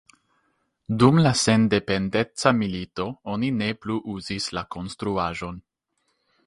Dum la sendependeca milito oni ne plu uzis la konstruaĵon.